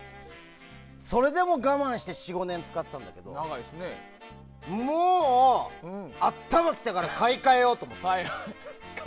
それでも我慢して４５年使ってたんだけどもう頭に来たから買い換えようと。